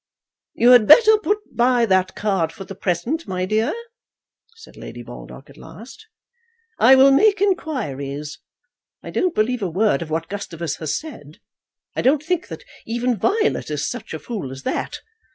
"You had better put by that card for the present, my dear," said Lady Baldock at last. "I will make inquiries. I don't believe a word of what Gustavus has said. I don't think that even Violet is such a fool as that.